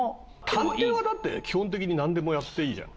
探偵はだって基本的になんでもやっていいじゃん。